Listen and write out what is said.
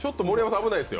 危ないっすよ。